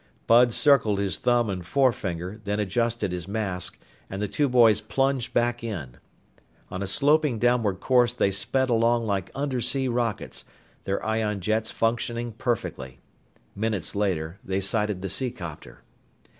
Bud circled his thumb and forefinger, then adjusted his mask, and the two boys plunged back in. On a sloping downward course, they sped along like undersea rockets, their ion jets functioning perfectly. Minutes later, they sighted the seacopter.